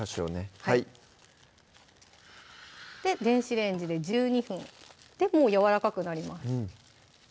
はい電子レンジ１２分でもうやわらかくなります